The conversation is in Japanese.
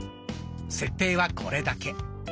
設定はこれだけ。